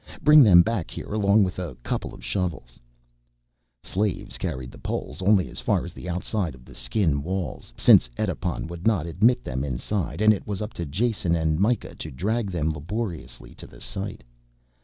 Bring them back here along with a couple of shovels." Slaves carried the poles only as far as the outside of the skin walls, since Edipon would not admit them inside, and it was up to Jason and Mikah to drag them laboriously to the site.